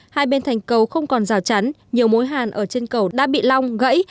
hai bên thành cầu không còn rào chắn nhiều mối hàn ở trên cầu đã bị long gãy